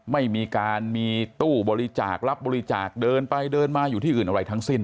ไม่มีการมีตู้บริจาครับบริจาคเดินไปเดินมาอยู่ที่อื่นอะไรทั้งสิ้น